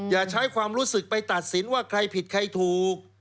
อย่าใช้ความรู้สึกไปตัดสินว่าใครผิดใครถูก